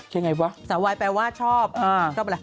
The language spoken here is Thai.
ใช่ไงวะสาววายแปลว่าชอบก็แปลว่าอะไร